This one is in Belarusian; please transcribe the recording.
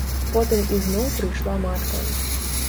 Потым ізноў прыйшла матка.